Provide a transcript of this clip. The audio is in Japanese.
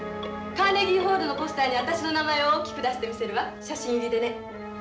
カーネギーホールのポスターに私の名前を大きく出してみせるわ写真入りでね。